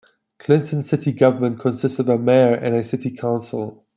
Clinton city government consists of a mayor and a city council.